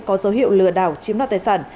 có dấu hiệu lừa đảo chiếm đoạt tài sản